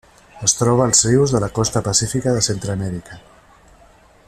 Es troba als rius de la costa pacífica de Centreamèrica.